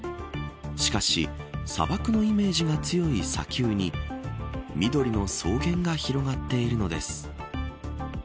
しかし、砂漠のイメージが強い砂丘に緑の草原が広がっているのです。